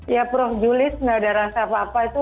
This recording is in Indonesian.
ya prof zulis tidak ada rasa apa apa itu